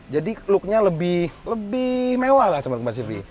jadi looknya lebih mewah lah sama kcv